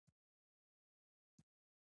ښه ویلي دي سعدي په ګلستان کي